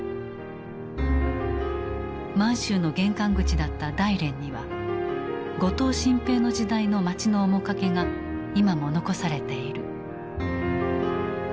満州の玄関口だった大連には後藤新平の時代の街の面影が今も残されている。